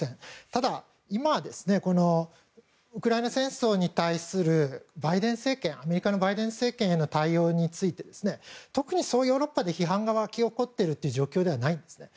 ただ、今ウクライナ戦争に対するアメリカのバイデン政権の対応について特にヨーロッパで批判が沸き起こっている状況ではないんですね。